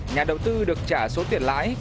nhà đầu tư được trả số tiền lãi